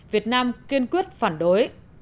việt nam kiên quyết phản đối